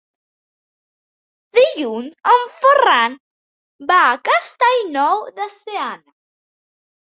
Dilluns en Ferran va a Castellnou de Seana.